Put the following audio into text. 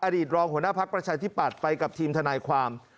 อดีตรองหัวหน้าภักดิ์ประชาธิปัตย์ไปกับทีมทนายความ